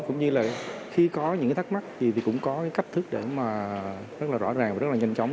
cũng như là khi có những thắc mắc thì cũng có cách thức rất là rõ ràng và rất là nhanh chóng